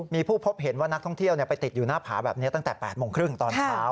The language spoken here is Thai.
มีผู้พบเห็นว่านักท่องเที่ยวไปติดอยู่หน้าผาแบบนี้ตั้งแต่๘โมงครึ่งตอนเช้า